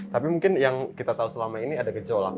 tapi mungkin yang kita tahu selama ini ada gejolak